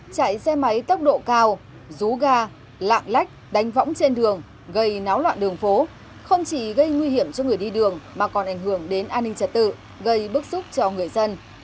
chạy xe máy tốc độ cao rú ga lạng lách đánh võng trên đường gây náo loạn đường phố không chỉ gây nguy hiểm cho người đi đường mà còn ảnh hưởng đến an ninh trật tự gây bức xúc cho người dân